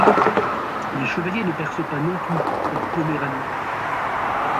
Les chevaliers ne percent pas non plus en Poméranie.